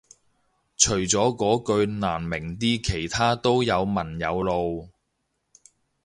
除咗嗰句難明啲其他都有文有路